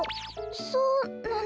そうなの？